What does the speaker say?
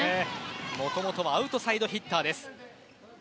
もともとアウトサイドヒッターです